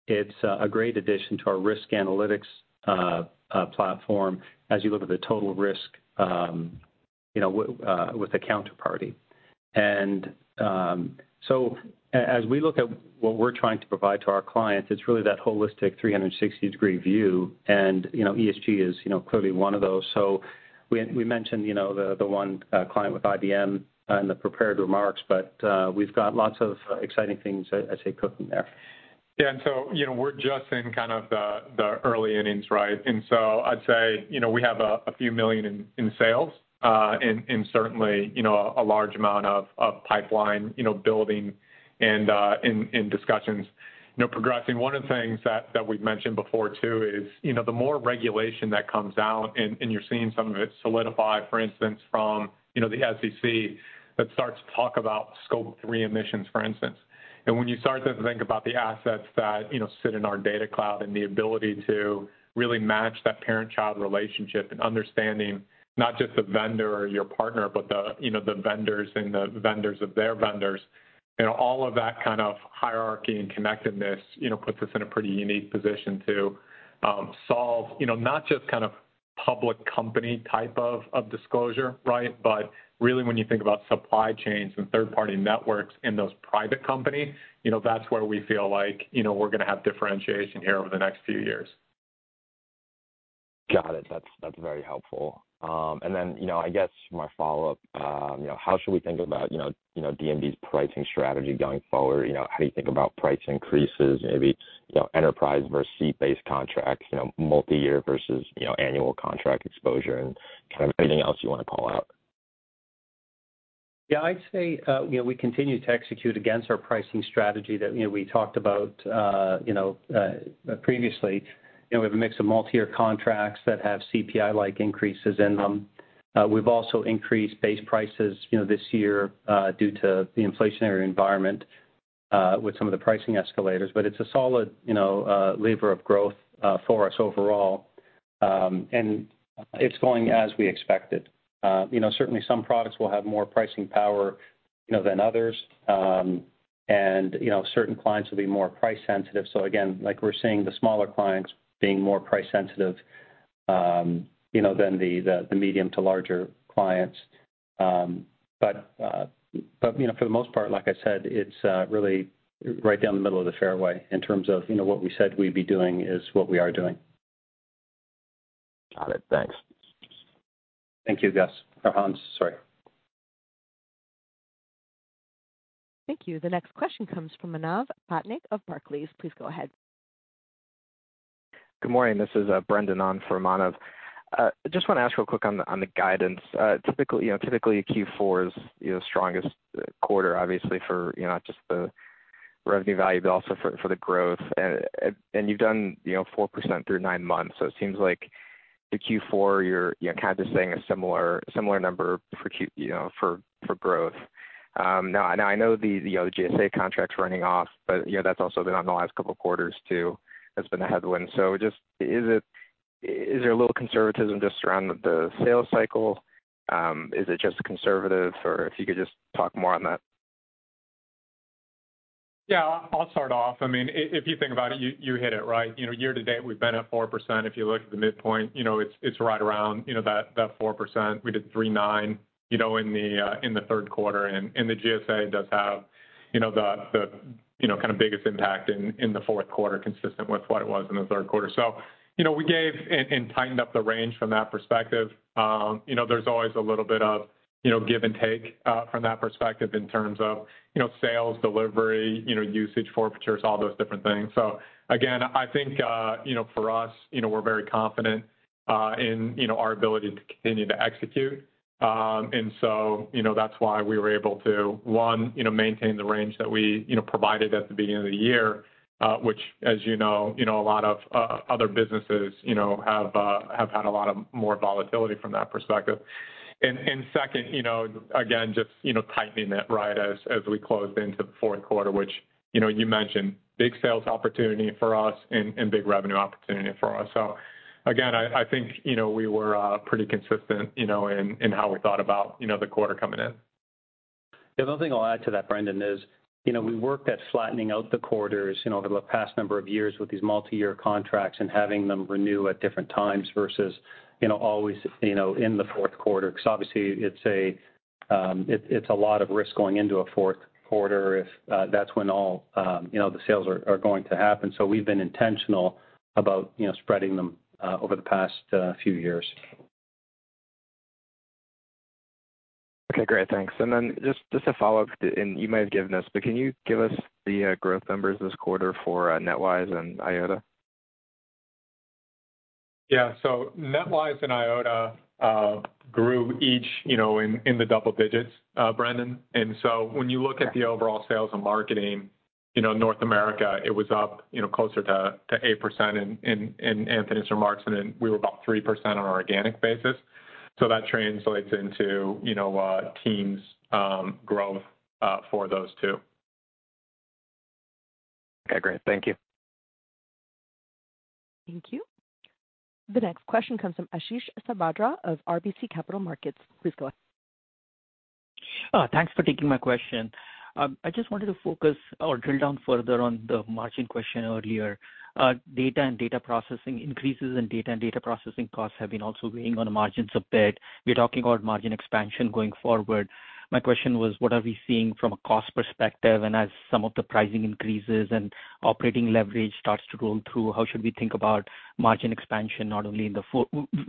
it's a great addition to our risk analytics platform as you look at the total risk, you know, with the counterparty. As we look at what we're trying to provide to our clients, it's really that holistic 360-degree view. You know, ESG is, you know, clearly one of those. We mentioned, you know, the one client with IBM in the prepared remarks, but we've got lots of exciting things, I say cooking there. Yeah. You know, we're just in kind of the early innings, right? I'd say, you know, we have a few million in sales and certainly, you know, a large amount of pipeline, you know, building and in discussions, you know, progressing. One of the things that we've mentioned before too is, you know, the more regulation that comes out and you're seeing some of it solidify, for instance, from, you know, the SEC that starts to talk about Scope three emissions, for instance. When you start to think about the assets that, you know, sit in our Data Cloud and the ability to really match that parent-child relationship and understanding not just the vendor or your partner, but the, you know, the vendors and the vendors of their vendors. You know, all of that kind of hierarchy and connectedness, you know, puts us in a pretty unique position to solve, you know, not just kind of public company type of disclosure, right? Really when you think about supply chains and third-party networks in those private company, you know, that's where we feel like, you know, we're gonna have differentiation here over the next few years. Got it. That's very helpful. You know, I guess my follow-up, you know, how should we think about, you know, D&B's pricing strategy going forward? You know, how do you think about price increases, maybe, you know, enterprise versus seat-based contracts, you know, multi-year versus, you know, annual contract exposure and kind of anything else you wanna call out? Yeah. I'd say, you know, we continue to execute against our pricing strategy that, you know, we talked about, previously. You know, we have a mix of multi-year contracts that have CPI-like increases in them. We've also increased base prices, you know, this year, due to the inflationary environment, with some of the pricing escalators. It's a solid, you know, lever of growth, for us overall. It's going as we expected. You know, certainly some products will have more pricing power, you know, than others. You know, certain clients will be more price sensitive. Again, like we're seeing the smaller clients being more price sensitive, you know, than the medium to larger clients. But, you know, for the most part, like I said, it's really right down the middle of the fairway in terms of, you know, what we said we'd be doing is what we are doing. Got it. Thanks. Thank you, Gus. Or Han, sorry. Thank you. The next question comes from Manav Patnaik of Barclays. Please go ahead. Good morning. This is Brendan on for Manav Patnaik. I just wanna ask real quick on the guidance. Typically, you know, Q4 is, you know, strongest quarter, obviously, for, you know, not just the revenue value, but also for the growth. You've done, you know, 4% through nine months. It seems like the Q4, you're, you know, kind of saying a similar number for Q, you know, for growth. Now I know the GSA contract's running off, but, you know, that's also been on the last couple of quarters too. That's been the headwind. Is there a little conservatism just around the sales cycle? Is it just conservative? Or if you could just talk more on that. Yeah. I'll start off. I mean, if you think about it, you hit it, right? You know, year to date, we've been at 4%. If you look at the midpoint, you know, it's right around, you know, that 4%. We did 3.9, you know, in the Q3. The GSA does have, you know, the, you know, kind of biggest impact in the Q4, consistent with what it was in the Q3. You know, we gave and tightened up the range from that perspective. You know, there's always a little bit of, you know, give and take from that perspective in terms of, you know, sales, delivery, you know, usage, forfeitures, all those different things. Again, I think, you know, for us, you know, we're very confident in, you know, our ability to continue to execute. You know, that's why we were able to, one, you know, maintain the range that we, you know, provided at the beginning of the year, which, as you know, you know, a lot of other businesses, you know, have had a lot more volatility from that perspective. Second, you know, again, just, you know, tightening it right as we closed into the Q4, which, you know, you mentioned big sales opportunity for us and big revenue opportunity for us. Again, I think, you know, we were pretty consistent, you know, in how we thought about, you know, the quarter coming in. The other thing I'll add to that, Brendan, is, you know, we worked at flattening out the quarters, you know, over the past number of years with these multi-year contracts and having them renew at different times versus, you know, always, you know, in the Q4. Because obviously it's a it's a lot of risk going into a Q4 if that's when all you know the sales are going to happen. We've been intentional about, you know, spreading them over the past few years. Okay, great. Thanks. Just to follow up, and you might have given this, but can you give us the growth numbers this quarter for NetWise and Eyeota? Yeah. NetWise and Eyeota grew each, you know, in the double digits, Brendan. When you look at the overall sales and marketing, you know, North America, it was up, you know, closer to 8% in Anthony's remarks, and then we were about 3% on an organic basis. That translates into, you know, teams' growth for those two. Okay, great. Thank you. Thank you. The next question comes from Ashish Sabadra of RBC Capital Markets. Please go ahead. Thanks for taking my question. I just wanted to focus or drill down further on the margin question earlier. Data and data processing increases and costs have been also weighing on margins a bit. We're talking about margin expansion going forward. My question was, what are we seeing from a cost perspective, and as some of the pricing increases and operating leverage starts to go through, how should we think about margin expansion, not only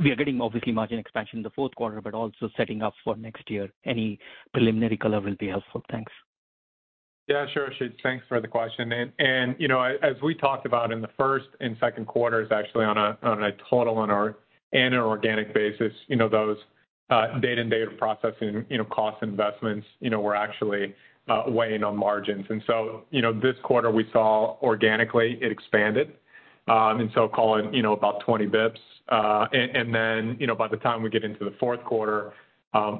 we are getting, obviously, margin expansion in the Q4, but also setting up for next year. Any preliminary color will be helpful. Thanks. Yeah, sure, Ashish. Thanks for the question. You know, as we talked about in the first and Q2s, actually on a total and an organic basis, you know, those data and data processing, you know, cost investments, you know, were actually weighing on margins. You know, this quarter we saw organically it expanded, and so call it, you know, about 20 basis points. You know, by the time we get into the Q4,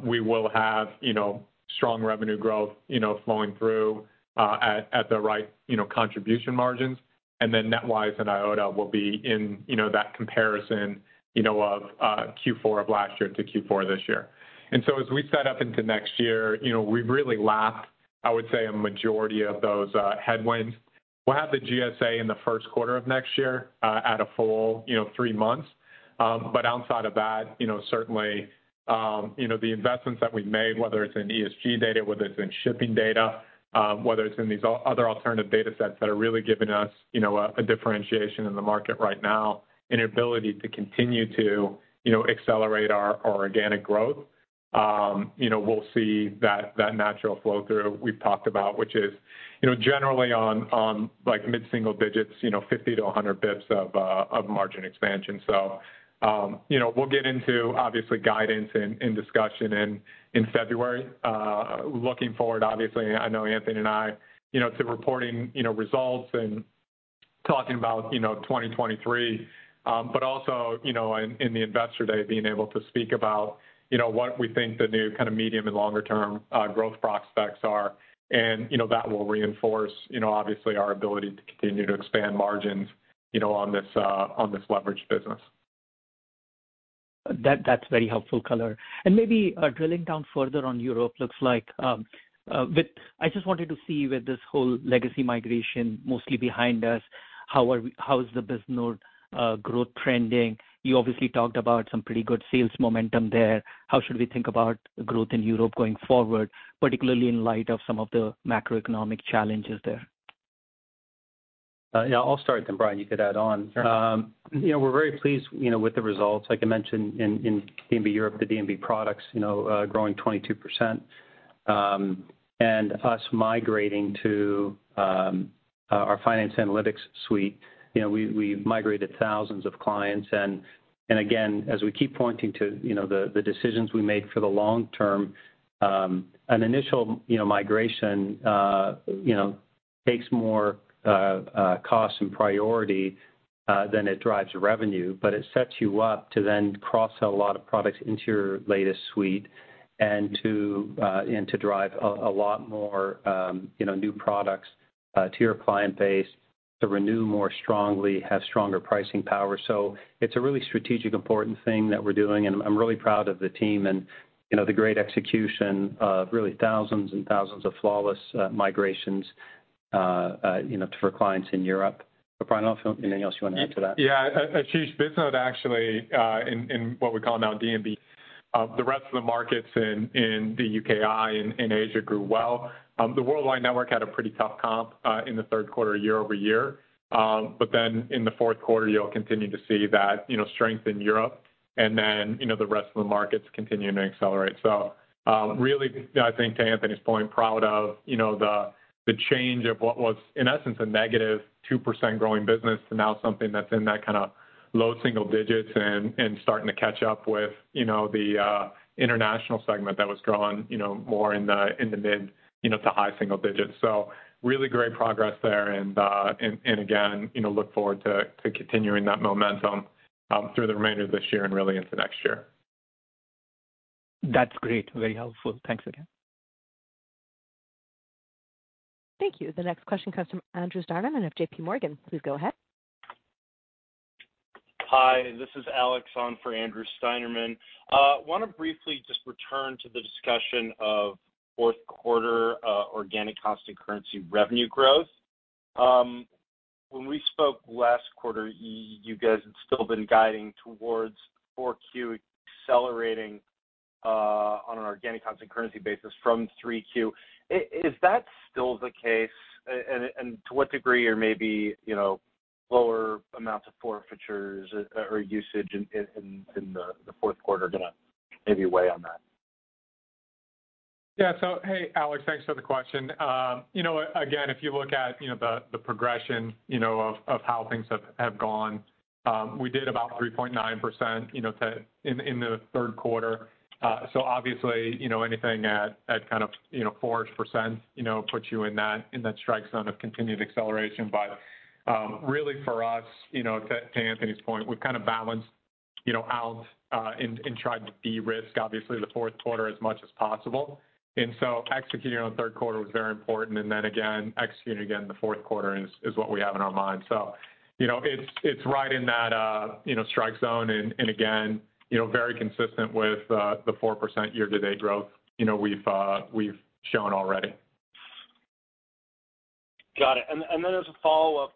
we will have, you know, strong revenue growth, you know, flowing through at the right, you know, contribution margins. Then NetWise and Eyeota will be in, you know, that comparison, you know, of Q4 of last year to Q4 this year. As we set up into next year, you know, we've really lapped, I would say, a majority of those headwinds. We'll have the GSA in the Q1 of next year at a full, you know, three months. But outside of that, you know, certainly, you know, the investments that we've made, whether it's in ESG data, whether it's in shipping data, whether it's in these other alternative data sets that are really giving us, you know, a differentiation in the market right now and ability to continue to, you know, accelerate our organic growth. You know, we'll see that natural flow through we've talked about, which is, you know, generally on like mid-single digits, you know, 50 to 100 basis points of margin expansion. We'll get into obviously guidance and discussion in February. Looking forward, obviously, I know Anthony and I, you know, to reporting, you know, results and talking about, you know, 2023, but also, you know, in the Investor Day, being able to speak about, you know, what we think the new kind of medium- and longer-term growth prospects are. That will reinforce, you know, obviously, our ability to continue to expand margins, you know, on this leverage business. That's very helpful color. Maybe drilling down further on Europe, looks like I just wanted to see with this whole legacy migration mostly behind us, how is the business growth trending? You obviously talked about some pretty good sales momentum there. How should we think about growth in Europe going forward, particularly in light of some of the macroeconomic challenges there? Yeah, I'll start, then Bryan, you could add on. You know, we're very pleased, you know, with the results. Like I mentioned in D&B Europe, the D&B products, you know, growing 22%. We've migrated thousands of clients and again, as we keep pointing to, you know, the decisions we make for the long term, an initial migration, you know, takes more cost and priority than it drives revenue, but it sets you up to then cross-sell a lot of products into your latest suite and to drive a lot more, you know, new products to your client base to renew more strongly, have stronger pricing power. It's a really strategic, important thing that we're doing, and I'm really proud of the team and, you know, the great execution of really thousands and thousands of flawless migrations, you know, for clients in Europe. Bryan, I don't know if you have anything else you wanna add to that. Yeah. Ashish, Bisnode actually, in what we call now D&B, the rest of the markets in the UKI in Asia grew well. The worldwide network had a pretty tough comp in the Q3 quarter-over-quarter. In the Q4, you'll continue to see that, you know, strength in Europe, and then, you know, the rest of the markets continuing to accelerate. Really, I think to Anthony's point, proud of, you know, the change of what was, in essence, a negative 2% growing business to now something that's in that kind of low single digits and starting to catch up with, you know, the international segment that was growing, you know, more in the mid to high single digits. Really great progress there, and again, you know, look forward to continuing that momentum through the remainder of this year and really into next year. That's great. Very helpful. Thanks again. Thank you. The next question comes from Andrew Steinerman of J.P. Morgan. Please go ahead. Hi, this is Alex on for Andrew Steinerman. Wanna briefly just return to the discussion of Q4 organic constant currency revenue growth. When we spoke last quarter, you guys had still been guiding towards Q4 accelerating on an organic constant currency basis from Q3. Is that still the case? And to what degree or maybe, you know, lower amounts of forfeitures or usage in the Q4 are gonna maybe weigh on that? Yeah. Hey, Alex. Thanks for the question. You know, again, if you look at, you know, the progression, you know, of how things have gone, we did about 3.9%, you know, to in the Q3. Obviously, you know, anything at kind of, you know, 4%, you know, puts you in that strike zone of continued acceleration. Really for us, you know, to Anthony's point, we've kind of balanced, you know, out and tried to de-risk obviously the Q4 as much as possible. Executing on the Q3 was very important. Again, executing again in the Q4 is what we have in our minds. you know, it's right in that, you know, strike zone and again, you know, very consistent with the 4% year-to-date growth, you know, we've shown already. Got it. As a follow-up,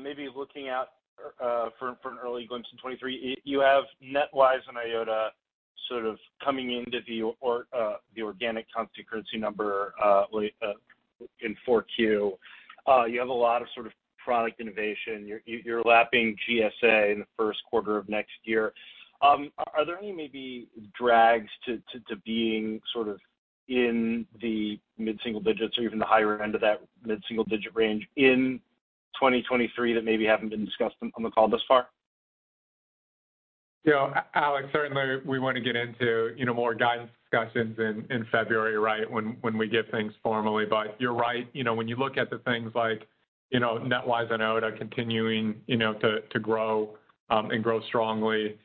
maybe looking at for an early glimpse in 2023, you have NetWise and Eyeota sort of coming into the organic constant currency number late in Q4. You have a lot of sort of product innovation. You're lapping GSA in the Q1 of next year. Are there any maybe drags to being sort of in the mid-single digits or even the higher end of that mid-single digit range in 2023 that maybe haven't been discussed on the call thus far? You know, Alex, certainly we wanna get into, you know, more guidance discussions in February, right? When we give things formally. You're right. You know, when you look at the things like, you know, NetWise and Eyeota continuing, you know, to grow and grow strongly,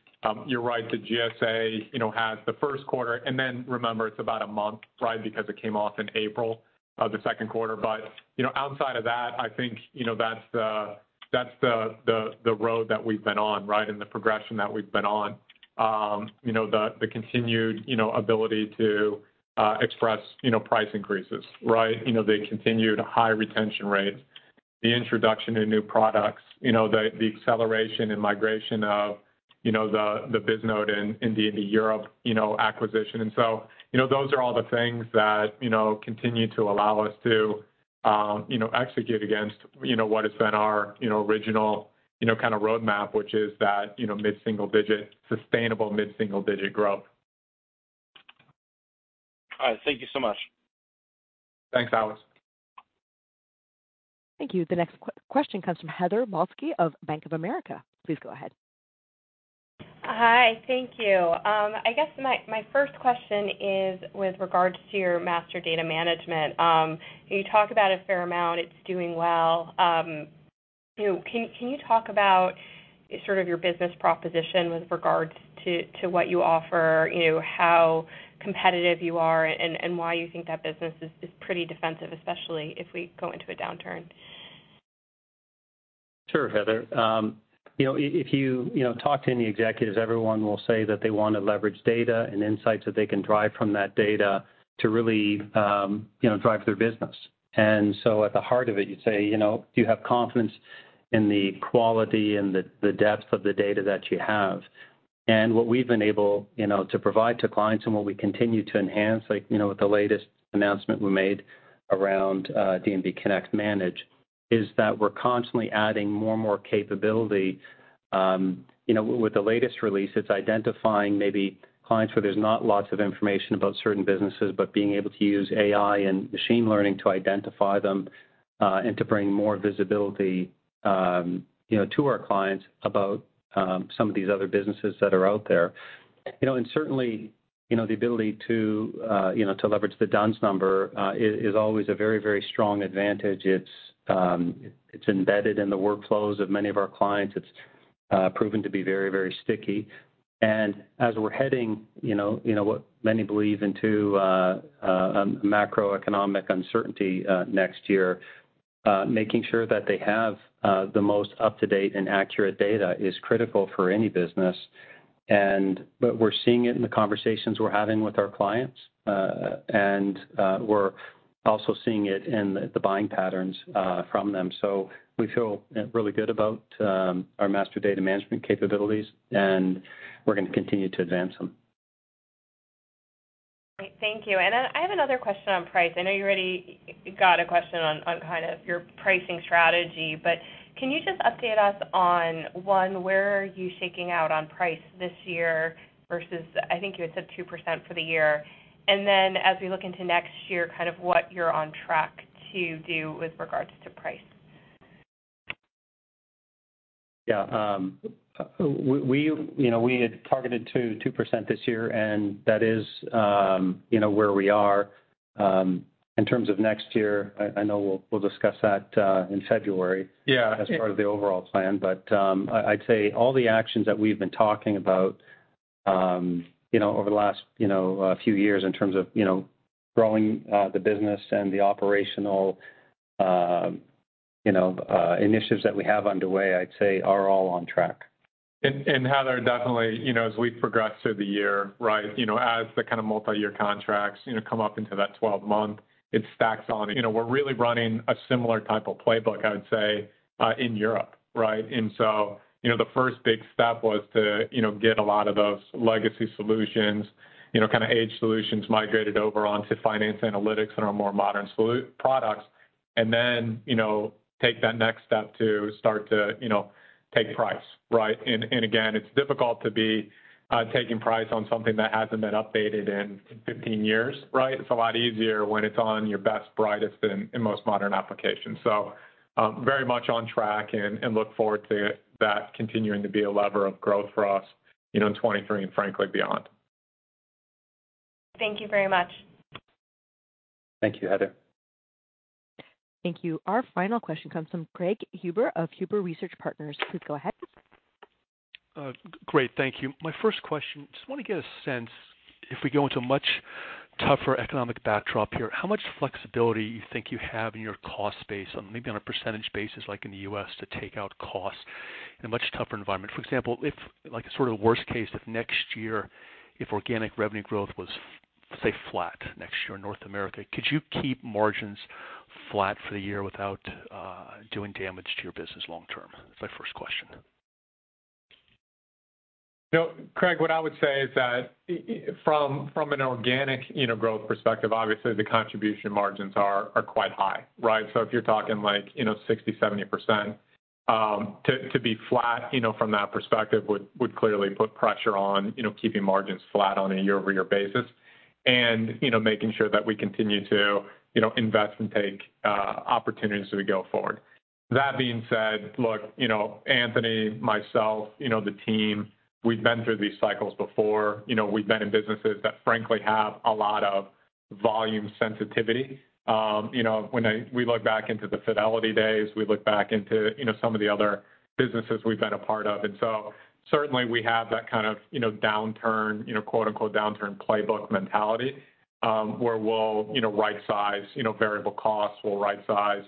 you're right. The GSA, you know, has the Q1, and then remember, it's about a month, right? Because it came off in April of the Q2. Outside of that, I think, you know, that's the road that we've been on, right? The progression that we've been on. You know, the continued ability to express, you know, price increases, right? You know, the continued high retention rates, the introduction to new products, you know, the acceleration and migration of, you know, the Bisnode in D&B Europe acquisition. You know, those are all the things that, you know, continue to allow us to, you know, execute against, you know, what has been our, you know, original, you know, kind of roadmap, which is that, you know, mid-single digit, sustainable mid-single digit growth. All right. Thank you so much. Thanks, Alex. Thank you. The next question comes from Heather Balsky of Bank of America. Please go ahead. Hi. Thank you. I guess my first question is with regards to your master data management. You talk about a fair amount. It's doing well. You know, can you talk about sort of your business proposition with regards to what you offer, you know, how competitive you are and why you think that business is pretty defensive, especially if we go into a downturn? Sure, Heather. You know, if you talk to any executives, everyone will say that they wanna leverage data and insights that they can drive from that data to really, you know, drive their business. At the heart of it, you say, you know, do you have confidence in the quality and the depth of the data that you have? What we've been able, you know, to provide to clients and what we continue to enhance, like, you know, with the latest announcement we made around D&B Connect Manage, is that we're constantly adding more and more capability. You know, with the latest release, it's identifying maybe clients where there's not lots of information about certain businesses, but being able to use AI and machine learning to identify them and to bring more visibility, you know, to our clients about some of these other businesses that are out there. You know, certainly, you know, the ability to, you know, to leverage the D-U-N-S number is always a very, very strong advantage. It's embedded in the workflows of many of our clients. It's proven to be very, very sticky. As we're heading, you know, what many believe to be a macroeconomic uncertainty next year, making sure that they have the most up-to-date and accurate data is critical for any business. We're seeing it in the conversations we're having with our clients. We're also seeing it in the buying patterns from them. We feel really good about our master data management capabilities, and we're gonna continue to advance them. Great. Thank you. I have another question on price. I know you already got a question on kind of your pricing strategy, but can you just update us on one, where are you shaking out on price this year versus I think you had said 2% for the year? Then as we look into next year, kind of what you're on track to do with regards to price. Yeah. You know, we had targeted to 2% this year, and that is, you know, where we are. In terms of next year, I know we'll discuss that in February. Yeah. as part of the overall plan. I’d say all the actions that we’ve been talking about, you know, over the last, you know, few years in terms of, you know, growing the business and the operational, you know, initiatives that we have underway, I’d say are all on track. Heather, definitely, you know, as we progress through the year, right, you know, as the kind of multiyear contracts, you know, come up into that 12-month, it stacks on. You know, we're really running a similar type of playbook, I would say, in Europe, right? You know, the first big step was to, you know, get a lot of those legacy solutions, you know, kind of aged solutions migrated over onto Finance Analytics and our more modern products. You know, take that next step to start to, you know, take price, right? Again, it's difficult to be taking price on something that hasn't been updated in 15 years, right? It's a lot easier when it's on your best, brightest, and most modern applications. Very much on track and look forward to that continuing to be a lever of growth for us, you know, in 2023 and frankly, beyond. Thank you very much. Thank you, Heather. Thank you. Our final question comes from Craig Huber of Huber Research Partners. Please go ahead. Great. Thank you. My first question, just wanna get a sense, if we go into a much tougher economic backdrop here, how much flexibility you think you have in your cost base on maybe on a percentage basis, like in the U.S., to take out costs in a much tougher environment? For example, if like sort of worst case, if next year, if organic revenue growth was, say, flat next year in North America, could you keep margins flat for the year without doing damage to your business long term? That's my first question. You know, Craig, what I would say is that from an organic, you know, growth perspective, obviously the contribution margins are quite high, right? So if you're talking like, you know, 60%-70%, to be flat, you know, from that perspective would clearly put pressure on, you know, keeping margins flat on a quarter-over-quarter basis. You know, making sure that we continue to, you know, invest and take opportunities as we go forward. That being said, look, you know, Anthony, myself, you know, the team, we've been through these cycles before. You know, we've been in businesses that frankly have a lot of volume sensitivity. You know, when we look back into the Fidelity days, we look back into, you know, some of the other businesses we've been a part of. Certainly we have that kind of, you know, downturn, you know, quote-unquote, "downturn playbook mentality," where we'll, you know, rightsize, you know, variable costs. We'll rightsize,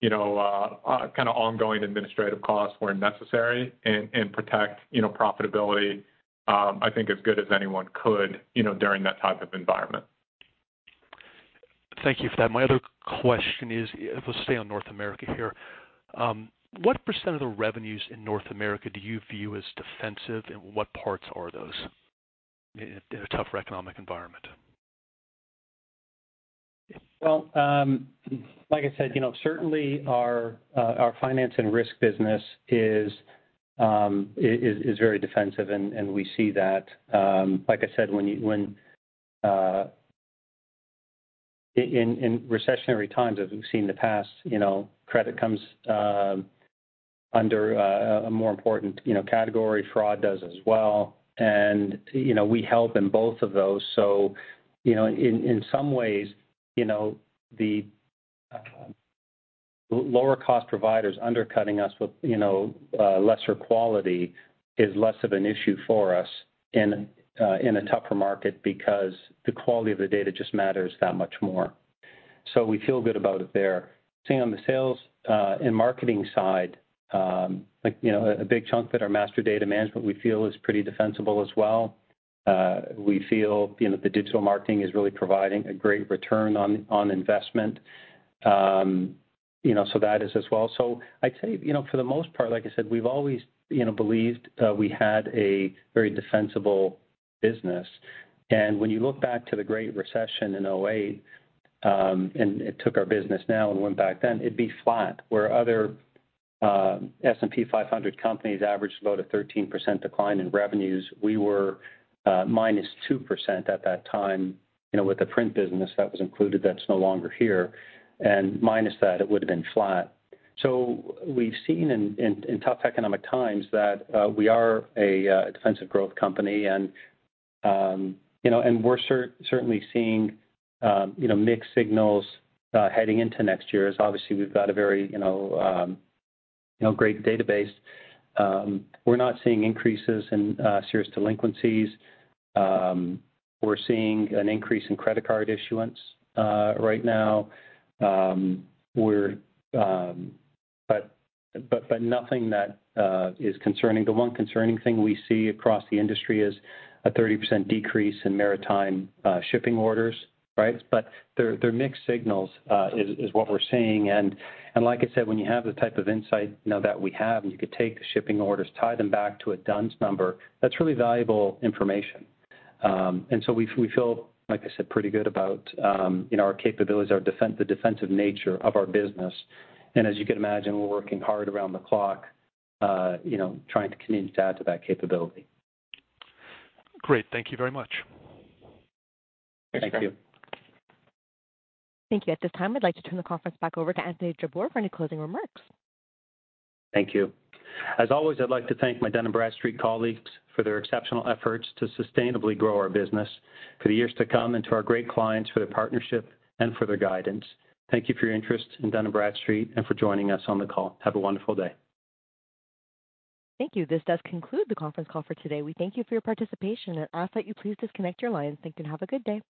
you know, kinda ongoing administrative costs where necessary and protect, you know, profitability, I think as good as anyone could, you know, during that type of environment. Thank you for that. My other question is, if we stay on North America here, what % of the revenues in North America do you view as defensive, and what parts are those in a tougher economic environment? Well, like I said, you know, certainly our finance and risk business is very defensive and we see that, like I said, when in recessionary times, as we've seen in the past, you know, credit comes under a more important category. Fraud does as well. You know, we help in both of those. You know, in some ways, you know, the lower cost providers undercutting us with lesser quality is less of an issue for us in a tougher market because the quality of the data just matters that much more. We feel good about it there. Same on the sales and marketing side, like, you know, a big chunk that our master data management we feel is pretty defensible as well. We feel, you know, the digital marketing is really providing a great return on investment. You know, that is as well. I'd say, you know, for the most part, like I said, we've always, you know, believed that we had a very defensible business. When you look back to the Great Recession in 2008, it took our business now and went back then, it'd be flat. Where other, S&P 500 companies averaged about a 13% decline in revenues, we were, minus 2% at that time, you know, with the print business that was included, that's no longer here, and minus that, it would've been flat. We've seen in tough economic times that we are a defensive growth company and you know and we're certainly seeing you know mixed signals heading into next year. Obviously, we've got a very you know you know great database. We're not seeing increases in serious delinquencies. We're seeing an increase in credit card issuance right now. But nothing that is concerning. The one concerning thing we see across the industry is a 30% decrease in maritime shipping orders, right? They're mixed signals is what we're seeing. Like I said, when you have the type of insight you know that we have, and you could take the shipping orders, tie them back to a D-U-N-S number, that's really valuable information. We feel, like I said, pretty good about, you know, our capabilities, the defensive nature of our business. As you can imagine, we're working hard around the clock, you know, trying to continue to add to that capability. Great. Thank you very much. Thank you. Thank you. At this time, I'd like to turn the conference back over to Anthony Jabbour for any closing remarks. Thank you. As always, I'd like to thank my Dun & Bradstreet colleagues for their exceptional efforts to sustainably grow our business for the years to come and to our great clients for their partnership and for their guidance. Thank you for your interest in Dun & Bradstreet and for joining us on the call. Have a wonderful day. Thank you. This does conclude the conference call for today. We thank you for your participation and ask that you please disconnect your lines. Thank you, and have a good day.